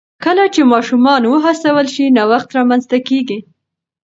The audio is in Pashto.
کله چې ماشومان وهڅول شي، نوښت رامنځته کېږي.